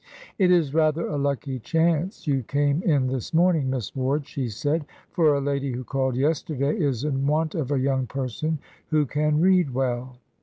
"'It is rather a lucky chance you came in this morning, Miss Ward,' she said, 'for a lady who called yesterday is in want of a young person who can read well.'